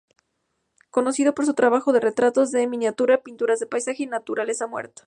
Conocida por su trabajo en retratos de miniatura, pinturas de paisaje, y naturaleza muerta.